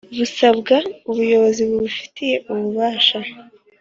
Busabwa ubuyobozi bubifitiye ububasha